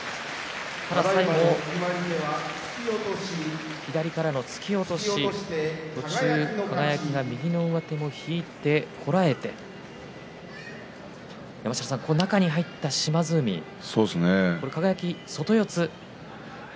ただ最後、左からの突き落とし途中、輝が右の上手を引いてこらえて中に入った島津海、輝、外四つ。